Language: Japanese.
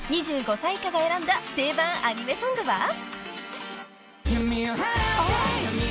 ［２５歳以下が選んだ定番アニメソングは］